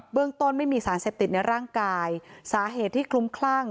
เรื่องต้นไม่มีสารเสพติดในร่างกายสาเหตุที่คลุ้มคลั่ง